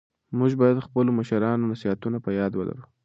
موږ بايد د خپلو مشرانو نصيحتونه په ياد ولرو.